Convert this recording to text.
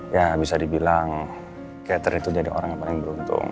ya bisa dibilang cater itu jadi orang yang paling beruntung